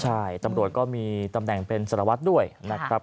ใช่ตำรวจก็มีตำแหน่งเป็นสารวัตรด้วยนะครับ